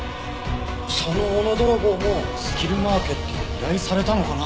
その斧泥棒もスキルマーケットで依頼されたのかな？